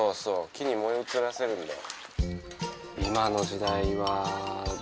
木に燃え移らせるんだよ。